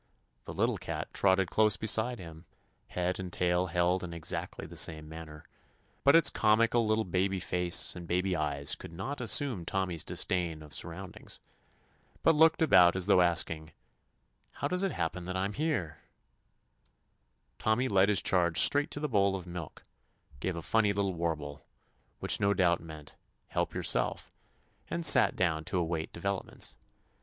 The little cat trotted close beside him, head and tail held in exactly the same manner, but its comical little baby face and baby eyes could not assume Tommy's disdain of surroundings, but looked about as though asking, "How does it happen that I'm here r Tommy led his charge straight to the bowl of milk, gave a funny little warble, which no doubt meant, "Help yourself," and sat down to await de velopments.